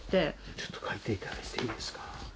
ちょっと書いていただいていいですか？